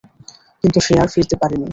কিন্তু সে আর ফিরতে পারিনি।